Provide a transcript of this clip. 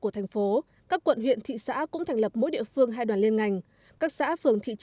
đoàn kiểm tra liên ngành